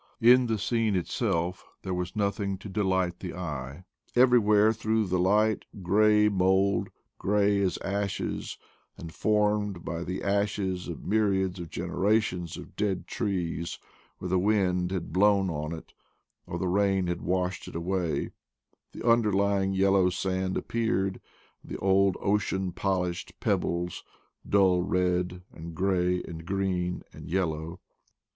In the scene itself there was nothing to delight the eye. Every where through the light, gray mold, gray as ashes and formed by the ashes of myriads of genera tions of dead trees, where the wind had blown on it, or the rain had washed it away, the under lying yellow sand appeared, and the old ocean polished pebbles, dull red, and gray, and green, and yellow.